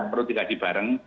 perlu dikaji bareng